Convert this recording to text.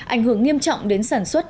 ảnh hưởng nghiêm trọng đến sản xuất